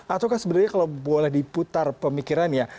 atau kan sebenarnya kalau boleh diputar pemikiran ya